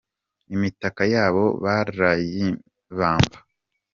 Imitaka yabo barayibamba